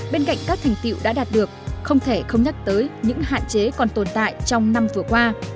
bên cạnh các thành tiệu đã đạt được không thể không nhắc tới những hạn chế còn tồn tại trong năm vừa qua